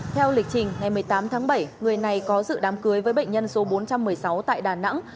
theo lịch trình ngày một mươi tám tháng bảy người này có dự đám cưới với bệnh nhân số bốn trăm một mươi sáu tại đà nẵng